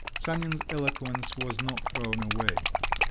Sanin's eloquence was not thrown away.